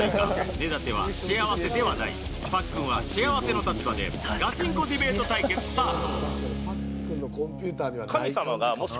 根建は幸せではないパックンは幸せの立場でガチンコディベート対決スタート！